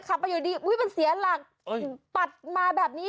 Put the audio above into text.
ครับอันนี้อยู่ดีเสียหลักปัดมาแบบนี้